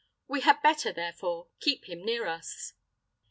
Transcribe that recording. We had better, therefore, keep him near us."